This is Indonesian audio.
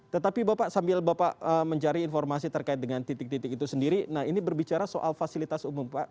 tetapi bapak sambil bapak mencari informasi terkait dengan titik titik itu sendiri nah ini berbicara soal fasilitas umum pak